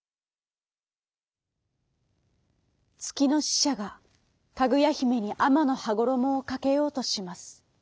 つきのししゃがかぐやひめにあまのはごろもをかけようとします。